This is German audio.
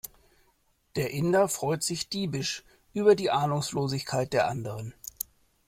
Der Inder freut sich diebisch über die Ahnungslosigkeit der anderen.